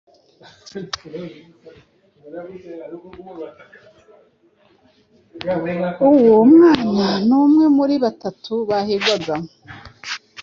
uwo mwana ni umwe muri batatu bahigwaga